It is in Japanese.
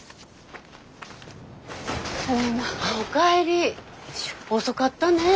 おかえり遅かったね。